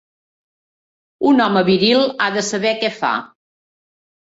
Un home viril ha de saber què fa.